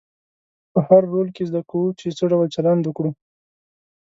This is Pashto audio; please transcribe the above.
په هر رول کې زده کوو چې څه ډول چلند وکړو.